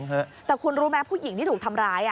แต่คุณรู้ไหมผู้หญิงที่ถูกทำร้าย